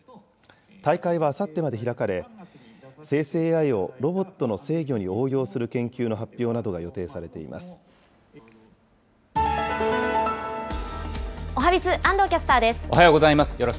大会はあさってまで開かれ、生成ＡＩをロボットの制御に応用する研究の発表などが予定されておはＢｉｚ、安藤キャスターおはようございます。